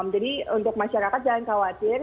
jadi untuk masyarakat jangan khawatir